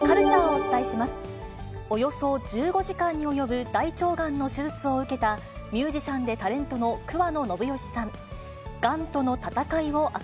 およそ１５時間に及ぶ大腸がんの手術を受けた、ミュージシャンでタレントの桑野信義さん。